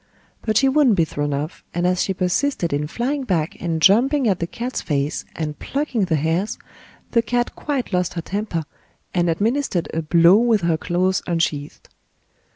But she wouldn't be thrown off, and as she persisted in flying back and jumping at the cat's face and plucking the hairs, the cat quite lost her temper and administered a blow with her claws unsheathed.